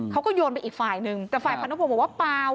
เขาก็โยนไปอีกฝ่ายนึงแต่ฝ่ายพันธพงศ์บอกว่าเปล่า